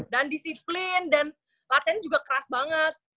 dan disiplin dan latihan juga keras banget